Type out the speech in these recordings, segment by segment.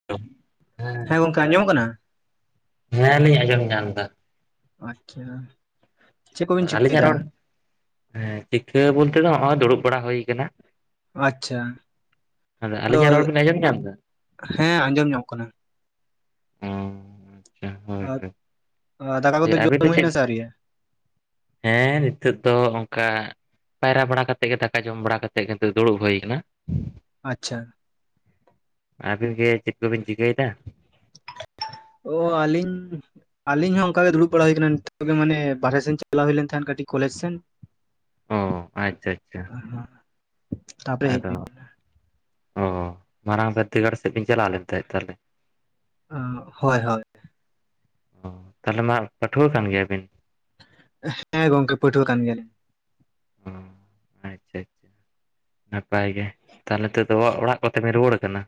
[inaudible] ᱦᱮᱸ ᱜᱚᱝᱠᱮ ᱟᱸᱚᱢᱚᱜ ᱠᱟᱱᱟ? ᱦᱮᱸ ᱞᱤᱧ ᱟᱸᱡᱚᱢ ᱧᱟᱢ ᱫᱟ᱾ ᱟᱪᱪᱷᱟ᱾ ᱪᱮᱫ ᱠᱚᱵᱤᱱ ᱟᱹᱞᱤᱧᱟᱜ ᱪᱤᱠᱟᱹᱭᱮᱫᱟ ᱨᱚᱲ ᱦᱮᱸ ᱪᱤᱠᱟᱹ ᱵᱚᱞᱛᱮ ᱫᱚ ᱦᱚᱸᱜᱼᱚᱭ ᱫᱩᱲᱩᱵ ᱵᱟᱲᱟ ᱦᱳᱭ ᱠᱟᱱᱟ᱾ ᱟᱪᱪᱷᱟ ᱟᱫᱚ ᱟᱹᱞᱤᱧ ᱨᱚᱲ ᱵᱤᱱ ᱟᱸᱡᱚᱢ ᱧᱟᱢ ᱫᱟ? ᱦᱮᱸ ᱟᱸᱡᱚᱢ ᱧᱟᱢᱚᱜ ᱠᱟᱱᱟ᱾ ᱚ ᱟᱪᱪᱷᱟ ᱦᱳᱭ ᱟᱛ ᱦᱳᱭ ᱡᱮ ᱟᱵᱤᱱ ᱫᱚ ᱪᱮᱫ, ᱦᱮᱸ ᱱᱤᱛᱚᱜ ᱫᱚ ᱚᱝᱠᱟ ᱯᱟᱭᱨᱟ ᱵᱟᱲᱟ ᱠᱟᱛᱮᱜ ᱜᱮ ᱫᱟᱠᱟ ᱡᱚᱢ ᱵᱟᱲᱟ ᱠᱟᱛᱮᱜ ᱠᱤᱱᱛᱩ ᱫᱩᱲᱩᱵ ᱦᱩᱭ ᱠᱟᱱᱟ᱾ ᱟᱪᱪᱷᱟ᱾ ᱟᱵᱤᱱ ᱜᱮ ᱪᱮᱫ ᱠᱚᱵᱤᱱ ᱪᱤᱠᱟᱹᱭᱫᱟ? ᱚ ᱟᱞᱤᱧ ᱟᱞᱤᱧ ᱦᱚᱸ ᱚᱱᱠᱟ ᱜᱮ ᱫᱩᱲᱩᱵ ᱵᱟᱲᱟ ᱦᱩᱭᱟ ᱠᱟᱱᱟ ᱱᱤᱛᱚᱜ ᱜᱮ ᱢᱟᱱᱮ ᱵᱟᱨᱦᱮ ᱥᱮᱱ ᱪᱟᱞᱟᱣ ᱦᱩᱭ ᱞᱮᱱ ᱛᱟᱦᱮᱸᱫ ᱠᱟᱹᱴᱤᱡ ᱠᱚᱞᱮᱡ ᱥᱮᱱ᱾ ᱚ ᱟᱪᱪᱷᱟ ᱪᱷᱟ ᱪᱷᱟ᱾ ᱦ [unintelligible] ᱟᱫᱚ, ᱚ ᱢᱟᱨᱟᱝ ᱵᱤᱫᱽᱫᱟᱹᱜᱟᱲ ᱥᱮᱫ ᱵᱤᱱ ᱪᱟᱞᱟᱣ ᱞᱮᱱ ᱛᱟᱦᱮᱸᱫ ᱛᱟᱦᱚᱞᱮ? ᱚ ᱦᱳᱭ ᱦᱳᱭ᱾ ᱛᱟᱦᱚᱞᱮ ᱢᱟ ᱯᱟᱹᱴᱷᱩᱣᱟᱹ ᱠᱟᱱ ᱜᱮᱭᱟ ᱵᱤᱱ? ᱦᱮᱸ, ᱜᱚᱝᱠᱮ ᱯᱟᱹᱴᱷᱩᱣᱟᱹ ᱠᱟᱱ ᱜᱮᱭᱟᱞᱤᱧ᱾ ᱚ ᱟᱪᱪᱷᱟ ᱟᱪᱪᱷᱟ ᱱᱟᱯᱟᱭ ᱜᱮ᱾ ᱛᱟᱦᱚᱞᱮ ᱱᱤᱛᱚᱜ ᱫᱚ ᱚ ᱚᱲᱟᱜ ᱠᱚᱛᱮ ᱵᱮᱱ ᱨᱩᱣᱟᱹᱲ ᱟᱠᱟᱱᱟ?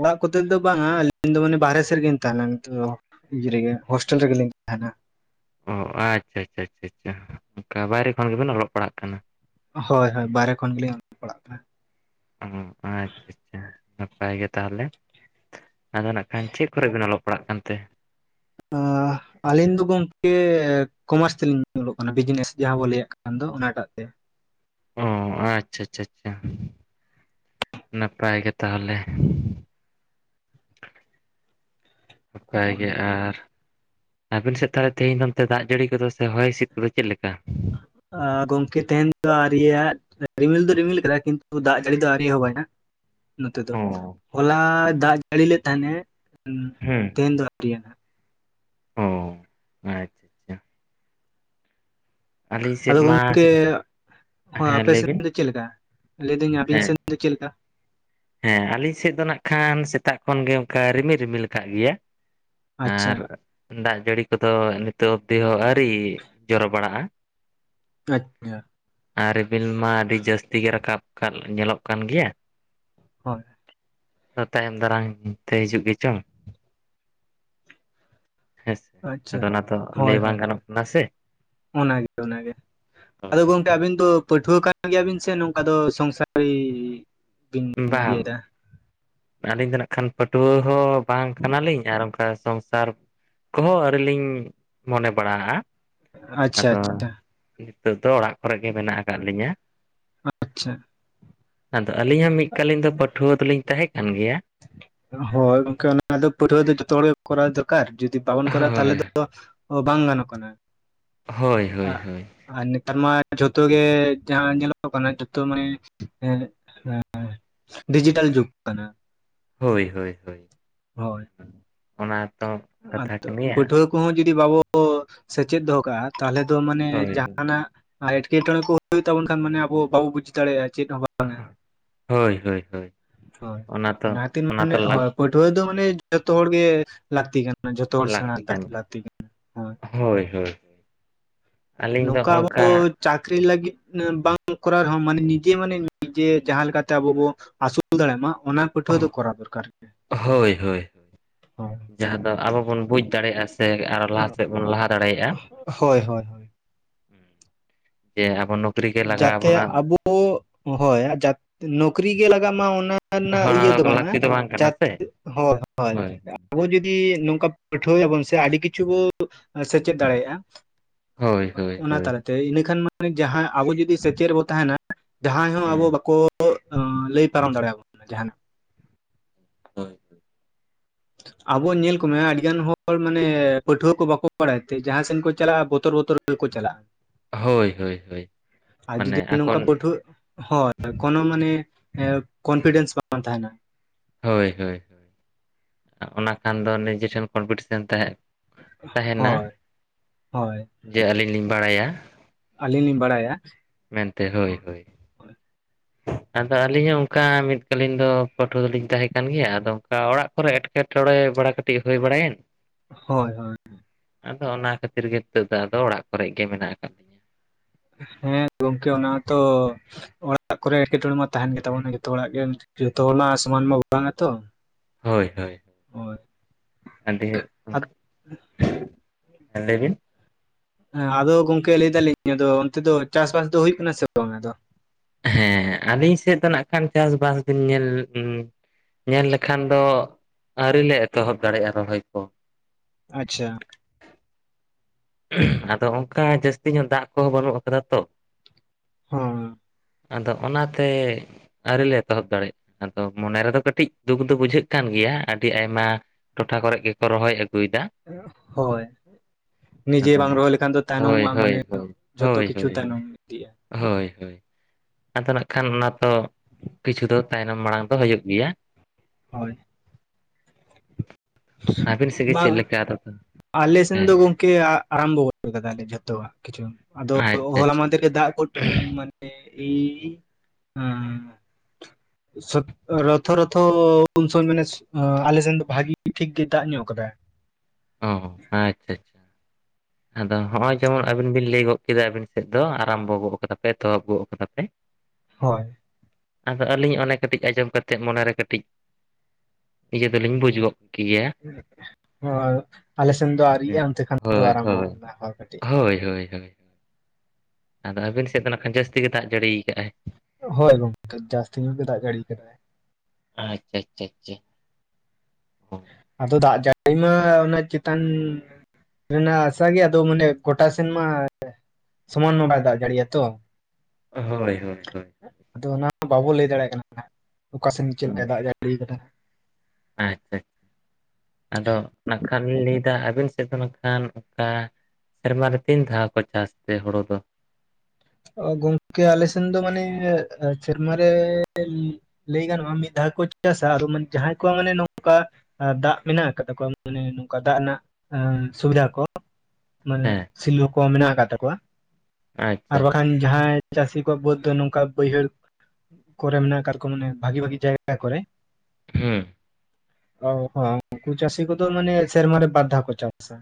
ᱚᱲᱟᱜ ᱠᱚᱛᱮ ᱫᱚ ᱵᱟᱝᱟ, ᱟᱹᱞᱤᱧ ᱫᱚ ᱢᱟᱱᱮ ᱵᱟᱦᱨᱮ ᱥᱮᱫ ᱨᱮᱜᱤᱧ ᱛᱟᱦᱮᱸᱱᱟ ᱱᱤᱛᱚᱜ ᱫᱚ ᱾ ᱤᱭᱟᱹ ᱨᱮᱜᱮ ᱦᱳᱥᱴᱮᱞ ᱨᱮᱜᱮ ᱞᱤᱝ ᱛᱟᱦᱮᱸᱱᱟ᱾ ᱚ ᱟᱪᱪᱷᱟ ᱪᱷᱟ ᱪᱷᱟ ᱪᱷᱟ ᱚᱝᱠᱟ ᱵᱟᱭᱨᱮ ᱠᱷᱚᱱ ᱜᱮᱵᱮᱱ ᱚᱞᱚᱜ ᱯᱟᱲᱦᱟᱜ ᱠᱟᱱᱟ᱾ ᱦᱳᱭ ᱦᱳᱭ, ᱵᱟᱦᱨᱮ ᱠᱷᱚᱱ ᱜᱮᱞᱤᱧ ᱚᱞᱚᱜ ᱯᱟᱲᱦᱟᱜ ᱠᱟᱱᱟ᱾ ᱚ ᱟᱪᱪᱷᱟ ᱪᱷᱟ ᱱᱟᱯᱟᱭ ᱜᱮ ᱛᱟᱦᱞᱮ᱾ ᱟᱫᱚ ᱱᱟᱜᱼᱠᱷᱟᱱ ᱪᱮᱫ ᱠᱚᱨᱮ ᱵᱮᱱ ᱚᱞᱚᱜ ᱯᱟᱲᱦᱟᱜ ᱠᱟᱱᱛᱮ? [inaudible] ᱟᱹᱞᱤᱧ ᱫᱚ ᱜᱚᱝᱠᱮ ᱠᱚᱢᱟᱨᱥ ᱛᱮᱞᱤᱧ ᱚᱞᱚᱜ ᱠᱟᱱᱟ ᱵᱤᱡᱱᱮᱥ ᱡᱟᱦᱟᱸ ᱵᱚᱱ ᱞᱟᱹᱭᱮᱫ ᱠᱟᱱ ᱫᱚ ᱚᱱᱟᱴᱟᱜ ᱛᱮ᱾ ᱚ ᱟᱪᱪᱷᱟ ᱪᱷᱟ ᱪᱷᱟ, ᱱᱟᱯᱟᱭ ᱜᱮ ᱛᱟᱦᱚᱞᱮ᱾ ᱱᱟᱯᱟᱭ ᱜᱮ ᱟᱨ ᱟᱹᱵᱤᱱ ᱥᱮᱫ ᱛᱟᱦᱚᱞᱮ ᱛᱮᱦᱮᱧ ᱫᱚ ᱚᱱᱛᱮ ᱫᱟᱜ ᱡᱟᱹᱲᱤ ᱠᱚᱫᱚ ᱥᱮ ᱦᱚᱭ ᱦᱤᱸᱥᱤᱫ ᱠᱚᱫᱚ ᱪᱮᱫ ᱞᱮᱠᱟ? ᱟ ᱜᱚᱢᱠᱮ ᱛᱮᱦᱮᱸᱧ ᱫᱚ ᱟᱹᱣᱨᱤᱭᱟᱜ ᱨᱤᱢᱤᱞ ᱫᱚ ᱨᱤᱢᱤᱞ ᱠᱟᱫᱟᱭ ᱠᱤᱱᱛᱩ ᱫᱟᱜ ᱡᱟᱹᱲᱤ ᱫᱚ ᱟᱹᱨᱣᱤ ᱮᱦᱚᱸᱵᱟᱭ ᱦᱟᱸᱜ᱾ ᱱᱚᱛᱮ ᱫᱚ ᱚ ᱦᱚᱞᱟ ᱫᱟᱜ ᱡᱟᱹᱲᱤ ᱞᱮ ᱛᱟᱦᱮᱸᱱᱮ᱾ ᱦᱩᱸ᱾ ᱛᱮᱦᱮᱧ ᱫᱚ [unintelligible] ᱚ ᱟᱪᱪᱷᱟ ᱪᱷᱟ ᱪᱷᱟ᱾ ᱟᱹᱞᱤᱧ ᱥᱮᱫ ᱢᱟ ᱥᱮ ᱦᱮ ᱟᱯᱮ ᱥᱮᱱ ᱫᱚ ᱪᱮᱫ ᱞᱮᱠᱟ ᱞᱟᱹᱭ ᱫᱟᱹᱧ ᱟᱵᱤᱱ ᱦᱮᱸ ᱥᱮᱱ ᱫᱚ ᱪᱮᱫ ᱞᱮᱠᱟ? ᱦᱮᱸ ᱟᱹᱞᱤᱧ ᱥᱮᱫ ᱫᱚ ᱱᱟᱜ ᱱᱟᱜ ᱠᱷᱟᱱ ᱥᱮᱛᱟᱜ ᱠᱷᱚᱱ ᱜᱮ ᱚᱱᱠᱟ ᱨᱤᱢᱤᱞ ᱨᱤᱢᱤᱞ ᱟᱠᱟᱫ ᱜᱮᱭᱟ᱾ ᱟᱪᱪᱷᱟ ᱟᱨ ᱫᱟᱜ ᱡᱟᱹᱲᱤ ᱠᱚᱫᱚ ᱱᱤᱛᱚᱜ ᱚᱵᱫᱤ ᱦᱚᱸ ᱟᱹᱣᱨᱤ ᱡᱚᱨᱚ ᱵᱟᱲᱟᱜ-ᱟ᱾ ᱟᱪᱪᱷᱟ, ᱟᱨ ᱨᱤᱢᱤᱞ ᱢᱟ ᱟᱹᱰᱤ ᱡᱟᱹᱥᱛᱤ ᱜᱮ ᱨᱟᱠᱟᱵ ᱠᱟᱫ ᱧᱮᱞᱚᱜ ᱠᱟᱱ ᱜᱮᱭᱟ᱾ ᱦᱳᱣ, ᱟ [unintelligible] ᱛᱟᱭᱚᱢ ᱫᱟᱨᱟᱢ ᱛᱮ ᱦᱤᱡᱩᱜ ᱜᱮ ᱪᱚᱝ, ᱦᱮᱸᱥᱮ ᱟᱪᱪᱷᱟ ᱟᱫᱚ ᱚᱱᱟ ᱛᱚ ᱞᱟᱹᱭ ᱵᱟᱝ ᱜᱟᱱᱚᱜ ᱠᱟᱱᱟ ᱥᱮ᱾ ᱚᱱᱟ ᱜᱮ ᱛᱚ ᱟᱫᱚ ᱦᱳᱭ ᱜᱚᱝᱠᱮ ᱦᱳᱭ ᱟᱵᱤᱱ ᱫᱚ ᱯᱟᱹᱴᱷᱩᱣᱟᱹ ᱠᱟᱱ ᱜᱮᱭᱟᱵᱤᱱ ᱥᱮ ᱱᱚᱝᱠᱟ ᱫᱚ ᱥᱚᱝᱥᱟᱨᱤ ᱵᱤᱱ ᱵᱟᱝ ᱤᱭᱟᱹᱭᱮᱫᱟ ᱟᱹᱞᱤᱧ ᱫᱚ ᱦᱟᱜᱠᱷᱟᱱ ᱯᱟᱹᱴᱷᱩᱣᱟᱹ ᱦᱚᱸ ᱵᱟᱝ ᱠᱟᱱᱟᱞᱤᱧ ᱟᱨ ᱚᱱᱠᱟ ᱥᱚᱝᱥᱟᱨ ᱠᱚᱦᱚᱸ ᱟᱹᱣᱨᱤ ᱞᱤᱧ ᱢᱚᱱᱮ ᱵᱟᱲᱟᱜ-ᱟ᱾ ᱟᱪᱪᱷᱟ ᱟᱫᱚ ᱟᱪᱪᱷᱟ ᱱᱤᱛᱚᱜ ᱫᱚ ᱚᱲᱟᱜ ᱠᱚᱨᱮᱜ ᱜᱮ ᱢᱮᱱᱟᱜ ᱟᱠᱟᱜ ᱞᱤᱧᱟᱹ᱾ ᱟᱪᱪᱷᱟ ᱟᱫᱚ ᱟᱹᱞᱤᱧ ᱦᱚᱸ ᱢᱤᱫ ᱠᱟᱞᱤᱱ ᱫᱚ ᱯᱟᱹᱴᱷᱩᱣᱟᱹ ᱫᱚᱞᱤᱧ ᱛᱟᱦᱮᱸ ᱠᱟᱱ ᱜᱮᱭᱟ᱾ ᱦᱳᱣ ᱜᱚᱝᱠᱮ ᱚᱱᱟᱫᱚ ᱯᱟᱹᱴᱷᱩᱣᱟᱹ ᱫᱚ ᱡᱷᱚᱛᱚ ᱦᱚᱲ ᱜᱮ ᱠᱚᱨᱟᱣ ᱫᱚᱨᱠᱟᱨ ᱡᱩᱫᱤ ᱵᱟᱵᱚᱱ ᱠᱚᱨᱟᱣᱟ ᱛᱟᱦᱚᱞᱮ ᱫᱚ ᱵᱟᱝ ᱜᱟᱱᱚᱜ ᱠᱟᱱᱟ᱾ ᱦᱳᱭ ᱦᱳᱭ ᱟᱜ ᱦᱳᱭ ᱟᱨ ᱱᱮᱛᱟᱨ ᱢᱟ ᱡᱷᱚᱛᱚ ᱜᱮ ᱡᱟᱦᱟᱸ ᱧᱮᱞᱚᱜ ᱠᱟᱱᱟ ᱡᱷᱚᱛᱚ ᱢᱟᱱᱮ ᱰᱤᱡᱤᱴᱟᱞ ᱡᱩᱜᱽ ᱠᱟᱱᱟ᱾ ᱦᱳᱭ ᱦᱳᱭ ᱦᱳᱭ ᱦᱳᱭ ᱚᱱᱟ ᱛᱚ ᱠᱟᱛᱷᱟ ᱟᱫᱚ ᱠᱟᱱ ᱜᱮᱭᱟ ᱯᱟᱹᱴᱷᱩᱣᱟᱹ ᱠᱚᱦᱚᱸ ᱡᱩᱫᱤ ᱵᱟᱵᱚ ᱥᱮᱪᱮᱫ ᱫᱚᱦᱚ ᱠᱟᱜ-ᱟ ᱛᱟᱦᱚᱞᱮ ᱫᱚ ᱢᱟᱱᱮ ᱦᱳᱭ ᱡᱟᱦᱟᱱᱟᱜ ᱟᱨ ᱮᱴᱠᱮᱴᱚᱬᱮ ᱠᱚ ᱦᱩᱭᱩᱜ ᱛᱟᱵᱚᱱ ᱠᱷᱟᱱ ᱟᱵᱚ ᱵᱟᱵᱚ ᱵᱩᱡ ᱫᱟᱲᱮᱭᱟᱜ-ᱟ ᱪᱮᱫ ᱦᱚᱸ [unintelligible] ᱦᱳᱭ ᱦᱳᱭ ᱦᱳᱭ ᱦᱳᱭ, ᱛᱚ ᱚᱱᱟ ᱠᱷᱟᱹᱛᱤᱨ ᱢᱟᱱᱮ ᱛᱚ ᱞᱟᱠ ᱦᱳᱭ [inaudible] ᱯᱟᱹᱷᱩᱣᱟᱹ ᱫᱚ ᱢᱟᱱᱮ ᱡᱷᱚᱛᱚ ᱦᱚᱲ ᱜᱮ ᱞᱟᱹᱠᱛᱤ ᱠᱟᱱᱟ ᱡᱷᱚᱛᱚ ᱦᱚᱲ ᱥᱮᱬᱟ ᱞᱟᱹᱠᱛᱤ ᱠᱟᱱ ᱜᱮᱭᱟ᱾ ᱞᱟᱹᱠᱛᱤ ᱠᱟᱱᱟ ᱦᱮᱸ ᱦᱳᱭ ᱦᱳᱭ ᱟᱹᱞᱤᱧ ᱫᱚ ᱱᱚᱝᱠᱟ ᱚᱱᱠᱟ ᱟᱵᱚ- ᱪᱟᱹᱠᱨᱤ ᱞᱟᱹᱜᱤᱫ ᱵᱟᱝ ᱠᱚᱨᱟᱣ ᱨᱮᱦᱚᱸ ᱢᱟᱱᱮ ᱱᱤᱡᱮ ᱢᱟᱱᱮ ᱱᱤᱡᱮ ᱡᱟᱦᱟᱸ ᱞᱮᱠᱟᱛᱮ ᱟᱵᱚ ᱵᱚ ᱟᱹᱥᱩᱞ ᱫᱟᱲᱮᱭ ᱢᱟ ᱚᱱᱟ ᱯᱟᱹᱴᱷᱩᱣᱟᱹ ᱫᱚ ᱠᱚᱨᱟᱣ ᱫᱚᱨᱠᱟᱨ ᱜᱮ ᱦᱳᱭ ᱦᱳᱭ ᱡᱟᱦᱟᱸ ᱫᱚ ᱟᱵᱚ ᱵᱚᱱ ᱵᱩᱡᱽ ᱫᱟᱲᱮᱭᱟᱜᱼᱟ ᱥᱮ ᱟᱨᱚ ᱞᱟᱦᱟ ᱥᱮᱫ ᱵᱚᱱ ᱞᱟᱦᱟ ᱫᱟᱲᱮᱭᱟᱜᱼᱟ᱾ ᱦᱳᱭ ᱦᱳᱭ ᱦᱳᱭ ᱡᱮ ᱟᱵᱚ ᱱᱚᱠᱨᱤ ᱜᱮ ᱞᱟᱜᱟᱣ ᱡᱟᱛᱮ ᱵᱚᱱᱟ ᱟᱵᱚ ᱦᱳᱭ ᱱᱚᱠᱨᱤ ᱜᱮ ᱞᱟᱜᱟᱜ ᱢᱟ ᱚᱱᱟ ᱚᱱᱟ ᱨᱮᱱᱟᱜ ᱤᱭᱟᱹ ᱚᱱᱟ ᱫᱚ ᱵᱟᱝᱼᱟ ᱞᱟᱹᱠᱛᱤ ᱵᱟᱝ ᱠᱟᱱᱟ ᱡᱟᱛᱮ ᱥᱮ ᱦᱳᱭ ᱦᱳᱭ ᱟᱵᱚ ᱡᱚᱫᱤ ᱱᱚᱝᱠᱟ ᱯᱟᱹᱴᱷᱩᱣᱟᱹᱭᱟᱵᱚᱱ ᱥᱮ ᱟᱹᱰᱤ ᱠᱤᱪᱷᱩ ᱵᱚᱱ ᱥᱮᱪᱮᱫ ᱫᱟᱲᱮᱭᱟᱜᱼᱟ᱾ ᱦᱳᱭ ᱦᱳᱭ ᱚᱱᱟ ᱦᱳᱭ ᱛᱟᱞᱟᱛᱮ ᱤᱱᱟᱹᱠᱷᱟᱱ ᱢᱟᱱᱮ ᱡᱟᱦᱟᱸ ᱟᱵᱚ ᱡᱩᱫᱤ ᱥᱮᱪᱮᱫ ᱨᱮ ᱵᱚ ᱛᱟᱦᱮᱱᱟ ᱡᱟᱦᱟᱸᱭ ᱦᱚᱸ ᱟᱵᱚ ᱵᱟᱠᱚ ᱞᱟᱹᱭ ᱯᱟᱨᱚᱢ ᱫᱟᱲᱮᱭᱟᱵᱚᱱᱟ ᱡᱟᱦᱟᱱᱟᱜ᱾ ᱦᱳᱭ ᱦᱳᱭ ᱟᱵᱚ ᱧᱮᱞ ᱠᱚᱢᱮ ᱟᱹᱰᱤᱜᱟᱱ ᱦᱚᱲ ᱦᱚᱲ ᱢᱟᱱᱮ ᱯᱟᱹᱴᱷᱩᱣᱟᱹ ᱠᱚ ᱵᱟᱠᱚ ᱵᱟᱲᱟᱭ ᱛᱮ ᱡᱟᱦᱟᱸᱥᱮᱫ ᱠᱚ ᱪᱟᱞᱟᱜᱼᱟ ᱵᱚᱛᱚᱨ ᱵᱚᱛᱚᱨ ᱜᱮᱠᱚ ᱪᱟᱞᱟᱜᱼᱟ᱾ ᱦᱳᱭ ᱦᱳᱭ ᱦᱳᱭ ᱟᱨ ᱢᱟᱱᱮ ᱡᱩᱫᱤ ᱟᱠᱚ ᱱᱚᱝᱠᱟ ᱯᱟᱹᱴᱷᱣᱟᱹ ᱦᱳᱭ ᱠᱚᱱᱚ ᱢᱟᱱᱮ ᱠᱚᱱᱯᱷᱤᱰᱮᱱᱥ ᱵᱟᱝ ᱛᱟᱦᱮᱱᱟ᱾ ᱦᱳᱭ ᱦᱳᱭ ᱚᱱᱟ ᱠᱷᱟᱱ ᱫᱚ ᱱᱤᱡᱮᱴᱷᱮᱱ ᱠᱚᱢᱯᱤᱴᱤᱥᱮᱱ ᱛᱟᱦᱮᱸ ᱛᱟᱦᱮᱱᱟ ᱦᱳᱭ ᱦᱳᱭ ᱡᱮ ᱟᱹᱞᱤᱧ ᱞᱤᱧ ᱵᱟᱲᱟᱭᱟ᱾ ᱟᱞᱤ ᱞᱤᱧ ᱵᱟᱲᱟᱭᱟ ᱢᱮᱱᱛᱮ ᱦᱳᱭ ᱦᱳᱭ᱾ ᱟᱫᱚ ᱟᱹᱞᱤᱧ ᱦᱚᱸ ᱚᱝᱠᱟ ᱢᱤᱫ ᱠᱟᱞᱤᱤᱱ ᱫᱚ ᱯᱟᱹᱴᱷᱩᱣᱟᱹ ᱫᱚᱞᱤᱧ ᱛᱟᱦᱮᱸ ᱠᱟᱱ ᱜᱮᱭᱟ, ᱟᱫᱚ ᱚᱱᱠᱟ ᱚᱲᱟᱜ ᱠᱚᱨᱮ ᱮᱴᱠᱮᱴᱚᱬᱮ ᱵᱟᱲᱟ ᱠᱟᱹᱴᱤᱡ ᱦᱩᱭ ᱵᱟᱲᱟᱭᱮᱱ, ᱦᱳᱭ ᱦᱳᱭ ᱦᱩᱸ ᱟᱫᱚ ᱚᱱᱟ ᱠᱷᱟᱹᱛᱤᱨ ᱜᱮ ᱱᱤᱛᱚᱜ ᱫᱚ ᱟᱫᱚ ᱚᱲᱟᱜ ᱠᱚᱨᱮ ᱜᱮ ᱢᱮᱱᱟᱜ ᱠᱟᱫᱤᱧᱭᱟ᱾ ᱦᱮᱸ ᱜᱚᱝᱠᱮ ᱚᱱᱟ ᱛᱚ ᱚᱲᱟᱜ ᱠᱚᱨᱮ ᱮᱴᱠᱮᱴᱚᱬᱮ ᱢᱟ ᱛᱟᱦᱮᱸᱱ ᱜᱮᱛᱟᱵᱚᱱᱟ ᱡᱷᱚᱛᱚ ᱦᱚᱲᱟᱜ ᱜᱮ ᱡᱷᱚᱛᱚ ᱦᱚᱲ ᱢᱟ ᱥᱚᱢᱟᱱ ᱢᱟ ᱵᱟᱝᱟ ᱛᱚ᱾ ᱦᱳᱭ ᱦᱳᱭ ᱦᱳᱭ ᱟᱹᱰᱤ ᱦᱮᱸ ᱞᱟᱹᱭ ᱵᱤᱱ᱾ ᱦᱮᱸ ᱟᱫᱚ ᱜᱚᱝᱠᱮ ᱞᱟᱹᱭ ᱫᱟᱞᱤᱧ ᱟᱫᱚ ᱚᱱᱛᱮ ᱫᱚ ᱪᱟᱥ ᱵᱟᱥ ᱫᱚ ᱦᱩᱭᱩᱜ ᱠᱟᱱᱟ ᱥᱮ ᱵᱟᱝ ᱟᱫᱚ? ᱦᱮᱸ ᱟᱹᱞᱤᱧ ᱥᱮᱫ ᱫᱚ ᱱᱟᱜ ᱠᱷᱟᱱ ᱪᱟᱥᱵᱟᱥ ᱵᱤᱱ ᱧᱮᱞ ᱧᱮᱞ ᱞᱮᱠᱷᱟᱱ ᱫᱚ, ᱟᱹᱣᱨᱤ ᱞᱮ ᱮᱛᱚᱦᱚᱵ ᱫᱟᱲᱮᱭᱟᱜᱼᱟ ᱨᱚᱦᱚᱭ ᱠᱚ᱾ ᱟᱪᱪᱷᱟ᱾ ᱟᱫᱚ ᱚᱝᱠᱟ ᱡᱟᱹᱥᱛᱤ ᱧᱚᱜ ᱫᱟᱜ ᱠᱚᱦᱚᱸ ᱵᱟᱹᱱᱩᱜ ᱠᱟᱫᱟ ᱛᱚ᱾ ᱦᱚᱸ᱾ ᱟᱫᱚ ᱚᱱᱟᱛᱮ ᱟᱹᱣᱨᱤᱤᱞ ᱞᱮ ᱮᱛᱚᱦᱚᱵ ᱫᱟᱲᱮᱭᱟᱜᱼᱟ, ᱟᱫᱚ ᱢᱚᱱᱮ ᱨᱮᱫᱚ ᱠᱟᱹᱴᱤᱡ ᱫᱩᱠ ᱫᱚ ᱵᱩᱡᱷᱟᱹᱜ ᱠᱟᱱ ᱜᱮᱭᱟ, ᱟᱹᱰᱤ ᱟᱭᱢᱟ ᱴᱚᱴᱷᱟ ᱠᱚᱨᱮ ᱜᱮᱠᱚ ᱨᱚᱦᱚᱭ ᱟᱹᱜᱩᱭᱮᱫᱟ᱾ ᱦᱳᱭ᱾ ᱱᱤᱡᱮ ᱵᱟᱝ ᱟᱫᱚ ᱨᱚᱦᱚᱭ ᱞᱮᱠᱷᱟᱱ ᱫᱚ ᱦᱳᱭ ᱛᱟᱭᱱᱚᱢᱚᱜᱼᱟ ᱦᱳᱭ ᱢᱟᱱᱮ ᱦᱳᱭ ᱡᱷᱚᱛᱚ ᱦᱳᱭ ᱠᱤᱪᱷᱩ ᱦᱳᱭ ᱛᱟᱭᱱᱚᱢ ᱤᱫᱤᱜᱼᱟ᱾ ᱦᱳᱭ ᱦᱳᱭ, ᱟᱫᱚ ᱱᱟᱜ ᱠᱷᱟᱱ ᱚᱱᱟ ᱛᱚ ᱠᱤᱪᱷᱩ ᱫᱚ ᱛᱟᱭᱱᱚᱢ ᱢᱟᱲᱟᱝ ᱫᱚ ᱦᱩᱭᱩᱜ ᱜᱮᱭᱟ᱾ ᱦᱳᱭ᱾ ᱟᱹᱵᱤᱱ ᱥᱮᱫ ᱜᱮ ᱵᱟᱝ ᱪᱮᱫ ᱞᱮᱠᱟ ᱟᱞᱮ ᱥᱮᱱ ᱫᱚ ᱦᱮᱸ ᱜᱚᱝ ᱠᱮ ᱟᱨᱟᱢᱵᱚ ᱠᱟᱫᱟᱞᱮ ᱡᱷᱚᱛᱚᱣᱟᱜ ᱠᱤᱪᱷᱩ ᱟᱫᱚ ᱟᱪᱪᱷᱟ ᱦᱚᱞᱟ ᱟᱪᱪᱷᱟ ᱢᱟᱫᱷᱮᱨ ᱨᱮ ᱫᱟᱜ ᱜᱚᱫ ᱢᱟᱱᱮ ᱤ ᱟᱸ᱾ ᱥᱚᱛ ᱨᱚᱛᱷᱚ ᱨᱚᱛᱷᱚ ᱩᱱᱥᱚ ᱢᱟᱱᱮ ᱟᱞᱮ ᱥᱮᱱ ᱫᱚ ᱵᱷᱟᱜᱤ ᱴᱷᱤᱠ ᱜᱮ ᱫᱟᱜ ᱧᱚᱜ ᱠᱟᱫᱟᱭ᱾ ᱚ ᱟᱪᱪᱷᱟ ᱟᱪᱪᱷᱟ᱾ [inaudible] ᱟᱫᱚ ᱦᱚᱸᱜᱼᱚᱭ ᱡᱮᱢᱚᱱ ᱟᱵᱤᱱ ᱵᱤᱱ ᱞᱟᱹᱭ ᱜᱚᱜ ᱠᱮᱫᱟ ᱟᱵᱤᱱ ᱥᱮᱫ ᱫᱚ ᱟᱨᱟᱢᱵᱚ ᱜᱚᱜ ᱠᱟᱫᱟᱯᱮ ᱮᱛᱚᱦᱚᱵ ᱜᱚᱜ ᱠᱟᱫᱟ ᱯᱮ᱾ ᱦᱳᱭ᱾ ᱟᱫᱚ ᱟᱹᱞᱤᱧ ᱚᱱᱮ ᱠᱟᱹᱴᱤᱡ ᱟᱸᱡᱚᱢ ᱠᱟᱛᱮᱜ ᱢᱚᱱᱮᱨᱮ ᱠᱟᱹᱴᱤᱡ ᱤᱭᱟᱹ ᱫᱚᱞᱤᱧ ᱵᱩᱡ ᱜᱚᱫ ᱠᱮᱭᱟ, ᱦᱚ ᱟᱞᱮ ᱥᱮᱱ ᱫᱚ ᱟᱣᱨᱤᱜᱼᱟ ᱦᱮᱸ ᱚᱱᱛᱮ ᱠᱷᱟᱱ ᱫᱚ ᱦᱳᱭ ᱦᱳᱭ ᱟᱨᱟᱢᱵᱚ-ᱟ ᱠᱟᱱᱟ ᱠᱟᱹᱴᱤᱡ᱾ ᱦᱳᱭ ᱦᱳᱭ ᱦᱳᱭ᱾ ᱟᱫᱚ ᱟᱹᱵᱤᱱ ᱥᱮᱫ ᱫᱚ ᱱᱟᱠᱷᱟᱱ ᱡᱟᱹᱥᱛᱤ ᱜᱮ ᱫᱟᱜ ᱡᱟᱹᱲᱤ ᱟᱠᱟᱜᱼ ᱟᱭ᱾ ᱦᱳᱭ ᱜᱚᱝᱠᱮ ᱡᱟᱹᱥᱛᱤ ᱧᱚᱜ ᱜᱮ ᱫᱟᱜ ᱡᱟᱹᱲᱤ ᱠᱟᱫᱟᱭ᱾ ᱟᱪᱪᱷᱟ ᱪᱷᱟ ᱪᱷᱟ᱾ ᱟᱫᱚ ᱫᱟᱜ ᱡᱟᱹᱲᱤ ᱢᱟ ᱚᱱᱟ ᱪᱮᱛᱟᱱ ᱨᱮᱱᱟᱜ ᱦᱟᱥᱟ ᱜᱮ ᱟᱫᱚ ᱢᱟᱱᱮ ᱜᱥᱴᱟ ᱥᱮᱱ ᱢᱟ ᱥᱚᱢᱟᱱ ᱢᱟ ᱵᱟᱭ ᱫᱟᱜ ᱡᱟᱹᱲᱤᱭᱟ ᱛᱚ᱾ ᱦᱳᱭ ᱦᱳᱭ ᱦᱳᱭ᱾ ᱟᱫᱚ ᱚᱱᱟ ᱵᱟᱵᱚ ᱞᱟᱹᱭ ᱫᱟᱲᱮᱭᱟᱜ ᱠᱟᱱᱟ ᱚᱠᱟ ᱥᱮᱱ ᱪᱮᱫ ᱞᱮᱠᱟ ᱫᱟᱜ ᱡᱟᱹᱲᱤ ᱠᱟᱫᱟ᱾ ᱟᱪᱷᱟ ᱪᱷᱟ ᱟᱫᱚ ᱱᱟᱠᱷᱟᱱ ᱞᱤᱱ ᱫᱟ ᱟᱹᱵᱤᱱ ᱥᱮᱫ ᱫᱚ ᱱᱟᱜᱼᱠᱷᱟᱱ ᱚᱱᱠᱟ ᱥᱮᱨᱢᱟ ᱨᱮ ᱛᱤᱱ ᱫᱷᱟᱣ ᱠᱚ ᱪᱟᱥ ᱛᱮ ᱦᱩᱲᱳ ᱫᱚ? ᱚ ᱜᱚᱝᱠᱮ ᱟᱞᱮ ᱥᱮᱱ ᱫᱚ ᱢᱟᱱᱮ ᱥᱮᱨᱢᱟ ᱨᱮ ᱞᱟᱹᱭ ᱜᱟᱱᱚᱜᱼᱟ ᱢᱤᱫ ᱫᱷᱟᱣ ᱠᱚ ᱪᱟᱥᱟ ᱟᱨ ᱡᱟᱦᱟᱸᱭ ᱠᱚᱣᱟᱜ ᱢᱟᱱᱮ ᱱᱚᱝᱠᱟ᱾ ᱫᱟᱜᱽ ᱢᱮᱱᱟᱜ ᱟᱠᱟᱫᱟ ᱠᱚᱣᱟ ᱢᱟᱱᱮ ᱱᱚᱝᱠᱟ ᱫᱟᱜᱽ ᱨᱮᱱᱟᱜ ᱥᱩᱵᱤ ᱫᱷᱟ ᱠᱚ ᱢᱟᱱᱮ ᱦᱮᱸ ᱥᱤᱞᱩ ᱠᱚ ᱢᱮᱱᱟᱜ ᱟᱠᱟᱫ ᱛᱟᱠᱚᱣᱟ᱾ ᱟᱨ ᱟᱪᱪᱷᱟ ᱵᱟᱝ ᱠᱷᱟᱱ ᱡᱟᱦᱟᱸᱭ ᱪᱟᱹᱥᱤ ᱠᱚᱣᱟᱜ ᱵᱟᱹᱫᱽ ᱫᱚ ᱱᱚᱝᱠᱟ ᱵᱟᱹᱭᱦᱟᱹᱲᱼᱼ ᱠᱚᱨᱮᱢᱮᱱᱟ ᱠᱟᱜ ᱠᱚᱣᱟ ᱢᱟᱱᱮ ᱵᱷᱟᱜᱤ ᱵᱷᱟᱜᱤ ᱡᱟᱭᱜᱟ ᱠᱚᱨᱮ᱾ ᱦᱮᱸᱻ ᱚ ᱦᱚᱸ ᱩᱱᱠᱩ ᱪᱟᱹᱥᱤ ᱠᱚᱫᱚ ᱢᱟᱱᱮ ᱥᱮᱨᱢᱟᱨ ᱨᱮ ᱵᱟᱫᱷᱟᱮ ᱠᱚ ᱪᱟᱥᱟ᱾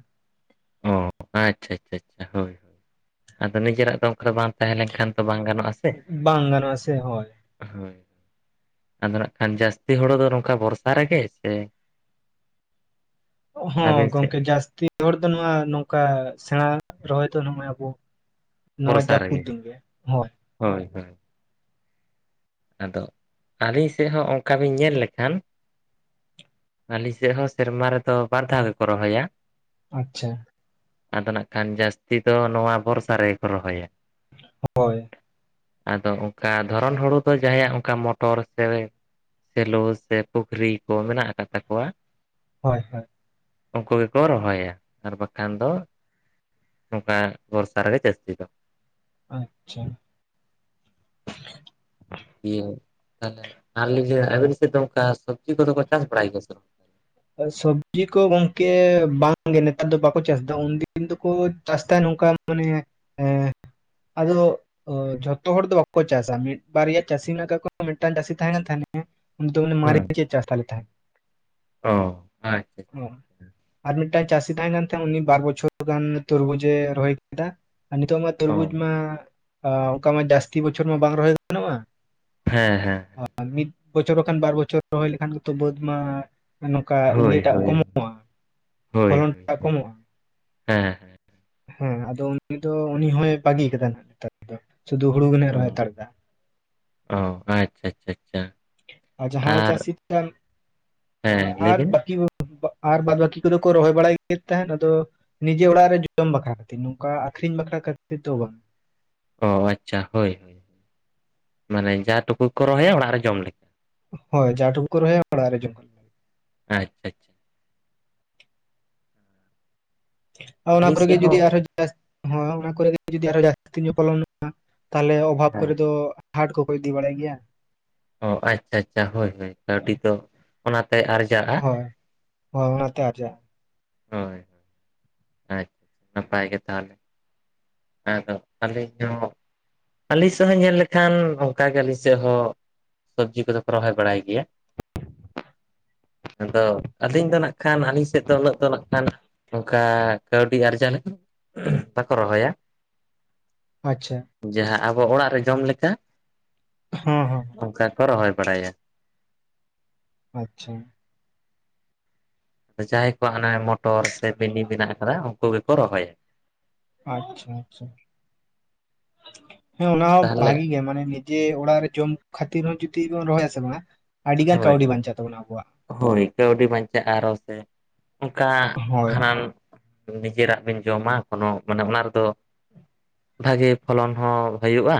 ᱚ ᱟᱪᱷᱟ, ᱟᱪᱷᱟ, ᱟᱪᱷᱟ, ᱦᱳᱭ ᱟᱫᱚ ᱱᱤᱡᱮᱨᱟᱜ ᱫᱚ ᱚᱱᱠᱟ ᱫᱚ ᱵᱟᱝ ᱛᱟᱦᱮᱸ ᱞᱮᱱᱠᱷᱟᱱ ᱫᱚ ᱵᱟᱝ ᱜᱟᱱᱚᱜᱼᱟ ᱥᱮᱼᱼ ᱵᱟᱝ ᱜᱟᱱᱚᱜᱼᱟ ᱥᱮ ᱦᱚᱭ ᱦᱳᱭ ᱟᱫᱚ ᱠᱷᱟᱱ ᱡᱟᱹᱥᱛᱤ ᱦᱚᱲᱚ ᱫᱚ ᱱᱚᱝᱠᱟ ᱵᱚᱨᱥᱟ ᱨᱮᱜᱮ ᱥᱮᱼᱼ ᱦᱚᱸ ᱟᱹᱵᱤᱱ ᱥᱮᱫ ᱜᱚᱝᱠᱮ ᱡᱟᱹᱥᱛᱤᱼᱼ ᱦᱚᱲ ᱫᱚ ᱱᱚᱣᱟ ᱱᱚᱝᱠᱟ ᱥᱮᱬᱟ ᱨᱚᱦᱚᱭ ᱫᱚ ᱱᱚᱜᱼᱚᱭ ᱟᱵᱚᱼᱼ ᱱᱚᱣᱟ ᱵᱚᱨᱥᱟ ᱡᱟᱹᱯᱩᱫ ᱨᱮᱜᱮ ᱫᱤᱱ ᱜᱮ ᱦᱳᱭ ᱦᱳᱭ, ᱦᱳᱭ ᱟᱫᱚ ᱟᱹᱞᱤᱧ ᱥᱮᱫ ᱦᱚᱸ ᱚᱱᱠᱟ ᱵᱤᱱ ᱧᱮᱞ ᱞᱮᱠᱷᱟᱱ ᱟᱹᱞᱤᱧ ᱥᱮᱫ ᱦᱚᱸ ᱥᱮᱨᱢᱟ ᱨᱮᱫᱚ ᱵᱟᱨ ᱫᱷᱟᱣ ᱜᱮᱠᱚ ᱨᱚᱦᱚᱭᱟ᱾ ᱟᱪᱷᱟ ᱟᱫᱚ ᱱᱟᱜ ᱠᱷᱟᱱ ᱡᱟᱹᱥᱛᱤ ᱫᱚ ᱱᱚᱣᱟ ᱵᱷᱚᱨᱥᱟ ᱨᱮᱜᱮ ᱠᱚ ᱨᱚᱦᱚᱭᱟ᱾ ᱦᱳᱭ ᱟᱫᱚ ᱚᱱᱠᱟ ᱫᱷᱚᱨᱚᱱ ᱦᱩᱲᱩ ᱫᱚ ᱡᱟᱦᱟᱸᱭᱟᱜ ᱚᱱᱠᱟ ᱢᱚᱴᱚᱨ ᱥᱮᱼᱼ ᱥᱮᱞᱚ ᱥᱮ ᱯᱩᱠᱷᱨᱤ ᱠᱚ ᱢᱮᱱᱟᱜ ᱟᱠᱟᱫ ᱛᱟᱠᱚᱣᱟ᱾ ᱦᱳᱭ ᱦᱳᱭ ᱩᱱᱠᱩ ᱜᱮᱠᱚ ᱨᱚᱦᱚᱭᱟ ᱟᱨ ᱵᱟᱠᱷᱟᱱ ᱫᱚ᱾ ᱱᱚᱝᱠᱟ ᱵᱚᱨᱥᱟ ᱨᱮᱜᱮ ᱡᱟᱹᱥᱛᱤ ᱫᱚ᱾ ᱟᱪᱷᱟ ᱫᱤᱭᱮ ᱛᱟᱦᱚᱞᱮ ᱟᱨᱮ ᱟᱵᱮᱱ ᱥᱮᱫ ᱫᱚ ᱚᱱᱠᱟ ᱥᱚᱵᱽᱡᱤ ᱠᱚᱫᱚ ᱠᱚ ᱪᱟᱥ ᱵᱟᱲᱟᱭ ᱜᱮᱭᱟ ᱥᱮ ᱵᱟᱝ? ᱥᱚᱵᱽᱡᱤ ᱠᱚ ᱜᱚᱝᱠᱮ ᱵᱟᱝᱜᱮ ᱱᱮᱛᱟᱨ ᱫᱚ ᱵᱟᱠᱚ ᱪᱟᱥ ᱮᱫᱟ ᱩᱱᱫᱤᱱ ᱫᱚᱠᱚ ᱪᱟᱥ ᱛᱟᱦᱮᱱ ᱱᱚᱝ ᱠᱟ ᱚᱱᱮ ᱮᱸ ᱟᱫᱚ ᱚ ᱡᱷᱚᱛᱚ ᱦᱚᱲ ᱫᱚ ᱵᱟᱠᱚ ᱪᱟᱥᱟ ᱢᱤᱫ ᱵᱟᱨᱭᱟ ᱪᱟᱹᱥᱤ ᱢᱮᱱᱟᱜ ᱠᱟᱜ ᱠᱚᱣᱟ ᱢᱤᱫᱴᱟᱝ ᱪᱟᱹᱥᱤ ᱛᱟᱦᱮᱸ ᱠᱟᱱ ᱛᱟᱦᱮᱸᱱᱟ ᱦᱮᱸ ᱩᱱᱫᱚ ᱦᱮᱸ ᱢᱟᱹᱨᱤᱪ ᱜᱮ ᱪᱮᱫ ᱪᱟᱥ ᱞᱮᱫ ᱛᱟᱦᱮᱸ ᱚ ᱟᱪᱪᱷᱟ ᱚ ᱟᱪᱪᱷᱟ ᱟᱨ ᱢᱤᱫᱴᱟᱝ ᱪᱟᱹᱥᱤ ᱛᱟᱦᱮᱸ ᱠᱟᱱ ᱛᱟᱦᱮᱸᱫ -ᱟ ᱩᱱᱤ ᱵᱟᱨ ᱵᱚᱪᱷᱚᱨ ᱜᱟᱱ ᱛᱩᱨᱵᱩᱡ ᱮ ᱨᱚᱦᱚᱭ ᱱᱤᱛᱚᱜ ᱢᱟ ᱚ ᱛᱩᱨᱵᱩᱡ ᱢᱟ ᱚᱱᱠᱟ ᱢᱟ ᱡᱟᱹᱥᱛᱤ ᱵᱚᱪᱷᱚᱨ ᱢᱟ ᱵᱟᱝ ᱨᱚᱦᱚᱭ ᱜᱟᱱᱚᱜᱼᱟ᱾ ᱦᱮᱸ ᱦᱮᱸ ᱢᱤᱫ ᱵᱚᱪᱷᱚᱨ ᱵᱟᱝᱠᱷᱟᱱ ᱵᱟᱨ ᱵᱚᱪᱷᱚᱨ ᱨᱚᱦᱚᱭ ᱦᱩᱭ ᱞᱮᱠᱷᱟᱱ ᱜᱮᱛᱚ ᱵᱟᱹᱫᱽ ᱢᱟ᱾ ᱱᱚᱝᱠᱟ ᱦᱳᱭ ᱤᱭᱟᱹᱴᱟᱜ ᱦᱳᱭ ᱠᱚᱢᱚᱜᱼᱟ ᱦᱳᱭ ᱯᱷᱚᱞᱚᱱ ᱦᱳᱭ ᱴᱟᱜ ᱠᱚᱢᱚᱜᱼᱟ᱾ ᱦᱮᱸ ᱦᱮᱸ ᱦᱮᱸ ᱟᱫᱚ ᱩᱱᱤ ᱫᱚ ᱩᱱᱤ ᱦᱚᱸᱭ ᱵᱟᱹᱜᱤ ᱠᱟᱫᱟ ᱱᱟ ᱱᱮᱛᱟᱨ ᱫᱚ ᱥᱩᱫᱷᱩ ᱦᱩᱲᱩ ᱜᱮ ᱨᱚᱦᱚᱭ ᱚ ᱦᱟᱛᱟᱨ ᱫᱟ ᱚ ᱟᱪᱪᱷᱟ, ᱟᱪᱪᱷᱟ, ᱟᱪᱪᱷᱟ ᱟᱨ ᱡᱟᱦᱟᱸ ᱪᱟᱹᱥᱤ ᱦᱮᱸ [inaudible] ᱞᱟᱹᱭ ᱵᱤᱱ ᱟᱨᱵᱟᱠᱤ ᱟᱨ ᱵᱟᱫᱽ ᱵᱟᱹᱠᱤ ᱠᱚᱫᱚ ᱠᱚ ᱨᱚᱦᱚᱭ ᱵᱟᱲᱟᱭᱮᱫ ᱛᱟᱦᱮᱱᱟ ᱟᱫᱚ᱾ ᱱᱤᱡᱮ ᱚᱲᱟᱜ ᱨᱮ ᱡᱚᱢ ᱵᱟᱠᱷᱨᱟ ᱠᱷᱟᱹᱛᱤᱨ ᱱᱚᱝᱠᱟ ᱟᱠᱷᱨᱤᱧ ᱵᱟᱠᱷᱨᱟ ᱠᱷᱛᱤᱨ ᱛᱮ ᱫᱚ ᱵᱟᱝ᱾ ᱚ ᱟᱪᱪᱷᱟ ᱦᱳᱭ ᱦᱳᱭ ᱢᱟᱱᱮ ᱡᱟ ᱴᱩᱠᱩ ᱠᱚ ᱨᱚᱦᱚᱭᱟ ᱚᱲᱟᱜ ᱨᱮ ᱡᱚᱢ ᱞᱟᱹᱜᱤᱫᱼᱼ ᱦᱳᱭ ᱡᱟ ᱴᱩᱠᱩ ᱠᱚ ᱨᱚᱦᱚᱭᱟ ᱚᱲᱟᱜᱨᱮ ᱡᱚᱝᱼᱼ ᱟᱪᱪᱷᱟ ᱟᱪᱷᱼᱼ ᱟᱨ ᱚᱱᱟ ᱟᱹᱞᱤᱧ ᱠᱚᱨᱮ ᱜᱮ ᱥᱮᱫ ᱡᱩᱫᱤ ᱦᱚᱸ ᱟᱨᱦᱚᱸᱼᱼ ᱡᱟᱥ ᱦᱚᱭ ᱚᱱᱟ ᱠᱚᱨᱮ ᱡᱩᱫᱤ ᱟᱨᱚ ᱡᱟᱹᱥᱛᱤ ᱧᱚᱜ ᱯᱚᱞᱚᱜᱼᱟ ᱛᱟᱦᱚᱞᱮ ᱚᱵᱷᱟᱵ ᱦᱮᱸ ᱠᱚᱨᱮ ᱫᱚ ᱦᱟᱴ ᱠᱚᱠᱚ ᱤᱫᱤ ᱵᱟᱲᱟᱭ ᱜᱮᱭᱟ ᱾ ᱚ ᱟᱪᱪᱷᱟ ᱟᱪᱪᱷᱟ ᱦᱳᱭ ᱦᱳᱭ ᱠᱟᱹᱣᱰᱤ ᱫᱚ ᱚᱱᱟᱛᱮ ᱟᱨᱡᱟᱜᱼᱟ ᱾ ᱦᱳᱭ ᱦᱳᱭ ᱚᱱᱟ ᱛᱮ ᱟᱨᱡᱟᱜ-ᱟ ᱾ ᱦᱳᱭ ᱟᱪ ᱱᱟᱯᱟᱭ ᱜᱮ ᱛᱟᱦᱚᱞᱮ ᱾ ᱦᱮ ᱛᱚ ᱟᱹᱞᱤᱧ ᱦᱚᱸ, ᱟᱹᱞᱤᱧ ᱥᱮᱫ ᱦᱚᱸ ᱧᱮᱞ ᱞᱮᱠᱷᱟᱱ ᱚᱱᱠᱟᱜᱮ ᱟᱹᱞᱤᱧ ᱥᱮᱫ ᱦᱚᱸ ᱥᱚᱵᱡᱤ ᱠᱚᱫᱚ ᱠᱚ ᱨᱚᱦᱚᱭ ᱵᱟᱲᱟᱭ ᱜᱮᱭᱟ ᱟᱫᱚ ᱟᱹᱞᱤᱧ ᱫᱚ ᱱᱟᱜ ᱠᱷᱟᱱ ᱟᱹᱞᱤᱧ ᱥᱮᱫ ᱫᱚ ᱩᱱᱟᱹᱜ ᱫᱚ ᱱᱟᱜ ᱠᱷᱟᱱ ᱚᱱᱠᱟ ᱠᱟᱹᱣᱰᱤ ᱟᱨᱡᱟᱣ ᱞᱮᱠᱟ ᱫᱚ ᱵᱟᱠᱚ ᱨᱚᱦᱚᱭᱟ ᱾ ᱟᱪᱪᱷᱟ ᱾ ᱡᱟᱦᱟᱸ ᱟᱵᱚ ᱚᱲᱟᱜ ᱨᱮ ᱡᱚᱢ ᱞᱮᱠᱟ ᱾ ᱦᱚᱸ ᱦᱚᱸ ᱾ ᱚᱱᱠᱟ ᱠᱚ ᱨᱚᱦᱚᱭ ᱵᱟᱲᱟᱭᱟ ᱾ ᱟᱪᱪᱷᱟ ᱾ ᱡᱟᱦᱟᱸᱭ ᱠᱚ ᱦᱟᱱᱟ ᱢᱚᱴᱚᱨ ᱥᱮ ᱵᱤᱱᱤ ᱢᱮᱱᱟᱜ ᱟᱠᱟᱫᱟ ᱩᱱᱠᱩ ᱜᱮᱠᱚ ᱨᱚᱦᱚᱭᱟ ᱾ ᱟᱪᱪᱷᱟ ᱟᱪᱪᱷᱟ, ᱦᱮᱸ ᱚᱱᱟ ᱦᱚᱸ ᱛᱟᱦᱚᱞᱮ ᱵᱷᱟᱜᱤ ᱜᱮᱭᱟ ᱢᱟᱱᱮ ᱢᱤ ᱠᱮ ᱚᱲᱟᱜ ᱨᱮ ᱡᱚᱢ ᱠᱷᱟᱛᱤᱨ ᱦᱚᱸ ᱡᱩᱫᱤ ᱵᱚᱱ ᱨᱚᱦᱚᱭᱟᱥᱮ ᱵᱟᱝ ᱟᱹᱰᱤ ᱜᱟᱱ ᱦᱳᱭ ᱠᱟᱹᱣᱰᱤ ᱵᱟᱧᱪᱟᱣ ᱛᱟᱵᱚᱱᱟ ᱟᱵᱚᱣᱟᱜ ᱾ ᱦᱳᱭ ᱠᱟᱹᱣᱰᱤ ᱵᱟᱧᱪᱟᱜᱼᱟ ᱟᱨᱚ ᱥᱮ ᱚᱱᱠᱟ ᱦᱳᱭ ᱦᱟᱱᱟᱱ ᱱᱤᱡᱮᱨᱟᱜ ᱵᱤᱱ ᱡᱚᱢᱟ ᱠᱚᱱᱳ ᱢᱟᱱᱮ ᱚᱱᱟ ᱨᱮᱫᱚ ᱵᱷᱟᱜᱤ ᱯᱷᱚᱞᱚᱱ ᱦᱚᱸ ᱦᱩᱭᱩᱜᱼᱟ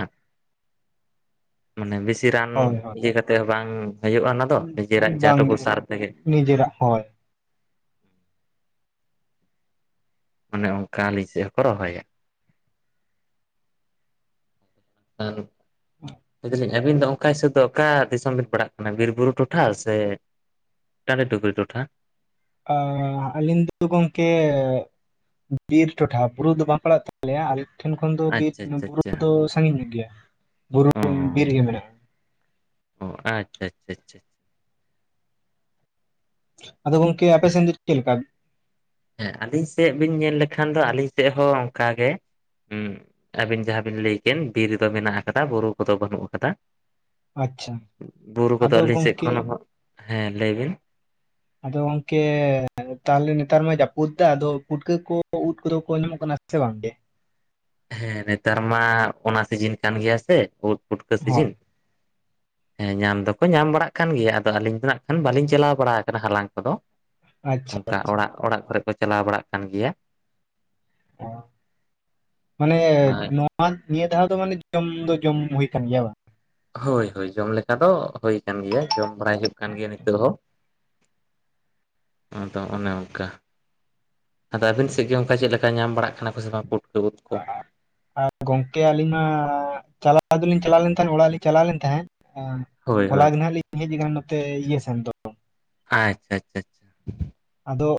ᱢᱟᱱᱮ ᱵᱮᱥᱤ ᱨᱟᱱ ᱦᱳᱭ ᱦᱳᱭ ᱤᱭᱟᱹ ᱠᱟᱛᱮᱜ ᱦᱚᱸ ᱵᱟᱝ ᱦᱩᱭᱩᱜᱼᱟ ᱚᱱᱟ ᱫᱚ ᱱᱤᱡᱮᱨᱟᱜ ᱡᱟᱦᱟᱸ ᱴᱩᱠᱩ ᱵᱟᱝᱜᱮ ᱥᱟᱨ ᱛᱮᱜᱮ ᱾ ᱱᱤᱡᱮᱨᱟᱜ ᱦᱳᱭ ᱾ ᱚᱱᱮ ᱚᱱᱠᱟ ᱟᱞᱤᱧ ᱥᱮᱫ ᱦᱚᱸᱠᱚ ᱨᱚᱦᱚᱭᱟ ᱾ ᱟᱨ ᱞᱟᱹᱭ ᱫᱟᱹᱞᱤᱧ ᱟᱹᱵᱤᱱ ᱫᱚ ᱚᱱᱠᱟ ᱦᱤᱥᱟᱹᱵᱽ ᱫᱚ, ᱚᱠᱟ ᱫᱤᱥᱚᱢ ᱵᱤᱱ ᱯᱟᱲᱟᱜ ᱠᱟᱱᱟ ᱵᱤᱨ ᱵᱩᱨᱩ ᱴᱚᱴᱷᱟ ᱥᱮ ᱴᱟᱹᱰᱤ ᱴᱩᱠᱨᱤ ᱴᱚᱴᱷᱟ? ᱚ ᱟᱹᱞᱤᱧ ᱫᱚ ᱜᱚᱢᱠᱮ ᱵᱤᱨ ᱴᱚᱴᱷᱟ ᱵᱩᱨᱩ ᱫᱚ ᱵᱟᱯᱞᱟᱜ ᱛᱟ ᱛᱟᱞᱮᱭᱟ ᱟᱞᱮ ᱴᱷᱮᱱ ᱠᱷᱚᱱ ᱫᱚ ᱵᱤᱨ ᱟᱪᱪᱷᱟ ᱟᱪᱪᱷᱟ ᱵᱩᱨᱩ ᱟᱪᱪᱷᱟ ᱫᱚ ᱥᱟᱜᱤᱧ ᱧᱚᱜ ᱜᱮᱭᱟ ᱵᱩᱨᱩ ᱚ ᱵᱤᱨ ᱜᱮ ᱢᱮᱱᱟᱜᱼᱟ ᱾ ᱚ ᱟᱪᱪᱷᱟ ᱟᱪᱪᱷᱟ ᱟᱪᱪᱷᱟ ᱾ ᱟᱫᱚ ᱜᱚᱝᱠᱮ ᱟᱯᱮᱸ ᱥᱮᱫ ᱫᱚ ᱪᱮᱫ ᱞᱮᱠᱟ? ᱦᱮᱸ ᱟᱹᱞᱤᱧ ᱥᱮᱫ ᱵᱤᱱ ᱧᱮᱞ ᱞᱮᱠᱷᱟᱱ ᱫᱚ ᱟᱹᱞᱤᱧ ᱥᱮᱫ ᱦᱚᱸ ᱚᱱᱠᱟᱜ ᱜᱮ, ᱦᱩ ᱟᱹᱵᱤᱱ ᱡᱟᱦᱟᱸ ᱵᱤᱱ ᱞᱟᱹᱭᱠᱮᱱ ᱵᱤᱨ ᱫᱚ ᱢᱮᱱᱟᱜ ᱟᱠᱟᱫᱟ ᱵᱩᱨᱩ ᱠᱚᱫᱚ ᱵᱟᱹᱱᱩᱜ ᱟᱠᱟᱫᱟ ᱟᱪᱪᱷᱟ ᱵᱩᱨᱩ ᱠᱚᱫᱚ ᱟᱫᱚ ᱟᱹᱞᱤᱧ ᱥᱮᱫ ᱜᱚᱝᱠᱮ ᱠᱷᱚᱱ, ᱦᱮᱸ ᱞᱟᱹᱭ ᱵᱤᱱ ᱟᱫᱚ ᱜᱚᱝᱠᱮ ᱛᱟᱦᱚᱞᱮ ᱱᱮᱛᱟᱨ ᱢᱟᱭ ᱡᱟᱹᱯᱩᱫ ᱫᱟ ᱟᱫᱚ ᱯᱩᱴᱠᱟᱹ ᱠᱚ ᱩᱫ ᱠᱚᱫᱚ ᱠᱚ ᱧᱚᱢᱚᱜ ᱠᱟᱱᱟ ᱥᱮ ᱵᱟᱝᱜᱮ? ᱦᱮᱸ ᱱᱮᱛᱟᱨ ᱢᱟ ᱚᱱᱟ ᱥᱤᱡᱤᱱ ᱠᱟᱱ ᱜᱮᱭᱟ ᱥᱮ ᱩᱫ ᱯᱩᱴᱠᱟᱹ ᱦᱚᱸ ᱥᱤᱡᱤᱱ ᱦᱮᱸ ᱧᱟᱢ ᱫᱚᱠᱚ ᱧᱟᱢ ᱵᱟᱲᱟᱜ ᱠᱟᱱ ᱜᱮᱭᱟ ᱟᱫᱚ ᱟᱹᱞᱤᱧ ᱫᱚ ᱱᱟᱜ ᱠᱷᱟᱱ ᱵᱟᱹᱞᱤᱧ ᱪᱟᱞᱟᱣ ᱵᱟᱲᱟ ᱠᱟᱱᱟ ᱦᱟᱞᱟᱝ ᱠᱚᱫᱚ, ᱟᱪᱪᱷᱟ ᱚᱱᱠᱟ ᱟᱪᱪᱷᱟ ᱚᱲᱟᱜ ᱚᱲᱟᱜ ᱠᱚᱨᱮ ᱠᱚ ᱪᱟᱞᱟᱣ ᱵᱟᱲᱟᱜ ᱠᱟᱱ ᱜᱮᱭᱟ ᱾ ᱚ ᱢᱟᱱᱮ ᱱᱚ ᱱᱤᱭᱟᱹ ᱫᱷᱟᱣ ᱫᱚ ᱢᱟᱱᱮ ᱡᱚᱢ ᱫᱚ ᱡᱚᱢ ᱦᱩᱭ ᱠᱟᱱ ᱜᱮᱭᱟ ᱵᱟᱝ? ᱦᱳᱭ ᱦᱳᱭ ᱡᱚᱢ ᱞᱮᱠᱟ ᱫᱚ ᱦᱩᱭ ᱠᱟᱱ ᱜᱮᱭᱟ ᱡᱚᱢ ᱵᱟᱲᱟᱭ ᱦᱩᱭᱩᱜ ᱠᱟᱱ ᱜᱮᱭᱟ ᱱᱤᱛᱚᱜ ᱦᱚᱸ ᱟᱫᱚ ᱚᱱᱮ ᱚᱱᱠᱟ ᱾ ᱟᱫᱚ ᱟᱹᱵᱤᱱ ᱥᱮᱫ ᱜᱮ ᱚᱱᱠᱟ ᱪᱮᱫᱞᱮᱠᱟ ᱧᱟᱢ ᱵᱟᱲᱟᱜ ᱠᱟᱱᱟ ᱠᱚ ᱥᱮ ᱵᱟᱝ ᱯᱩᱴᱠᱟᱹ ᱩᱫ ᱠᱚ? ᱜᱚᱝᱠᱮ ᱟᱹᱞᱤᱧ ᱢᱟ ᱪᱟᱞᱟᱣ ᱫᱚᱞᱤᱧ ᱪᱟᱞᱟᱣ ᱞᱮᱱ ᱛᱟᱦᱮᱸᱱᱟ ᱚᱲᱟᱜ ᱞᱤᱧ ᱪᱟᱞᱟᱣ ᱞᱮᱱ ᱛᱟᱦᱮᱸᱫ ᱦᱳᱭ ᱦᱳᱭ ᱦᱚᱞᱟ ᱜᱮ ᱱᱟᱜ ᱞᱤᱧ ᱦᱮᱡ ᱟᱠᱟᱱᱟ ᱱᱚᱛᱮ ᱤᱭᱟᱹ ᱥᱮᱱ ᱫᱚ ᱟᱪᱪᱷᱟ ᱟᱪᱷᱟᱷᱟ ᱟᱫᱚᱼᱼ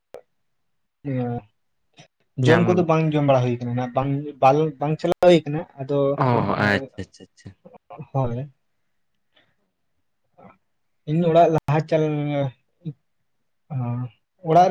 ᱡᱚᱢ ᱧᱟᱢ ᱠᱚᱫᱚ ᱵᱟᱝ ᱡᱚᱢ ᱵᱟᱲᱟ ᱦᱩᱭ ᱟᱠᱟᱱᱟ ᱵᱟᱝ ᱵᱟᱝ ᱵᱟᱝ ᱪᱟᱞᱟᱜᱼᱼ ᱦᱩᱭ ᱠᱟᱱᱟ ᱟᱫᱚᱼᱼ ᱚ ᱟᱪᱪᱷᱟ ᱟᱪᱪᱷᱟ ᱟᱪᱪᱷᱟ ᱦᱳᱭ ᱤᱧ ᱚᱲᱟᱜ ᱞᱟᱦᱟ ᱪᱟᱞ ᱚᱻ ᱚᱲᱟᱜᱼᱼ